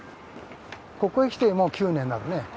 ここへ来てもう９年になるね。